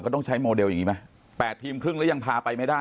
ต้องใช้โมเดลอย่างนี้ไหม๘ทีมครึ่งแล้วยังพาไปไม่ได้